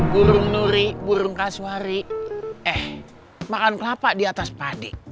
burung nuri burung kasuari eh makan kelapa di atas padi